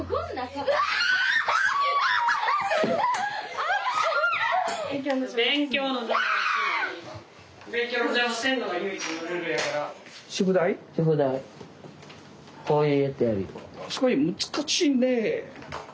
すごい難しいねえ。